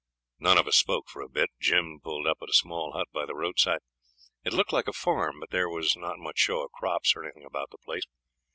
None of us spoke for a bit. Jim pulled up at a small hut by the roadside; it looked like a farm, but there was not much show of crops or anything about the place.